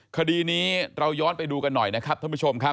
คดีนี้เราย้อนไปดูกันหน่อยนะครับท่านผู้ชมครับ